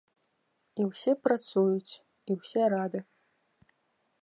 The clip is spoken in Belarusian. І ўсе працуюць, і ўсе рады.